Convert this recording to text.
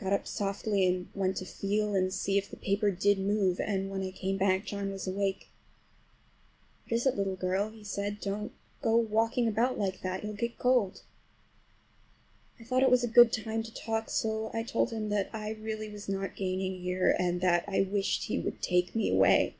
I got up softly and went to feel and see if the paper did move, and when I came back John was awake. "What is it, little girl?" he said. "Don't go walking about like that—you'll get cold." I thought it was a good time to talk, so I told him that I really was not gaining here, and that I wished he would take me away.